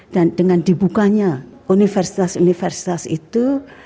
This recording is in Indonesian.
dan dengan dibukanya universitas universitas itu